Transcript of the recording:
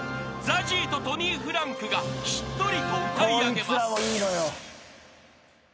［ＺＡＺＹとトニーフランクがしっとりと歌い上げます］